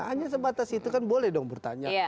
hanya sebatas itu kan boleh dong bertanya